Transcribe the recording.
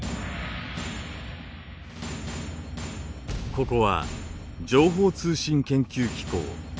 ここは情報通信研究機構。